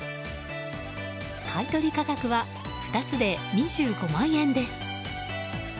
買い取り価格は２つで２５万円です。